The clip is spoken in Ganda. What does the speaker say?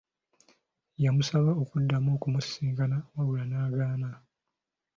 Yamusaba okuddamu okumusisinkana wabula n'agaana.